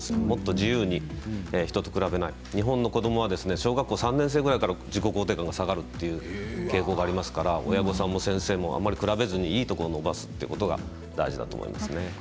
もっと自由に、人と比べない日本の子どもは小学校３年生くらいから自己肯定感が下がる傾向がありますから、親御さんも先生もあまり比べずに、いいところを伸ばすということが大事だと思いますね。